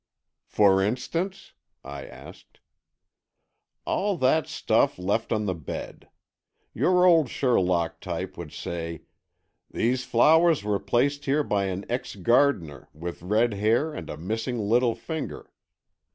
"For instance?" I asked. "All that stuff left on the bed. Your old Sherlock type would say: 'These flowers were placed here by an ex gardener, with red hair and a missing little finger.